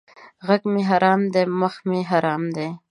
ږغ مې حرام دی مخ مې حرام دی!